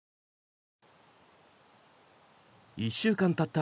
１週間たった